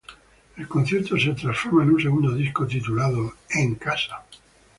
El concierto se transforma en su segundo disco, titulado "En casa".